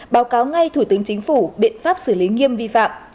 báo cáo ngay thủ tướng chính phủ biện pháp xử lý nghiêm vi phạm